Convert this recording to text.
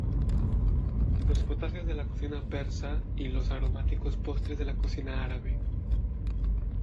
Los potajes de la cocina persa y los aromáticos postres de la cocina árabe.